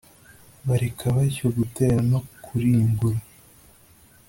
bareka batyo gutera no kurimbura